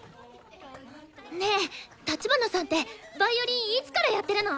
ねえ立花さんってヴァイオリンいつからやってるの？